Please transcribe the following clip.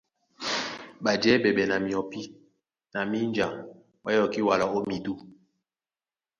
Ɓajɛɛ́ ɓɛɓɛ na myɔpí na mínja ɓá yɔkí wala ó midû.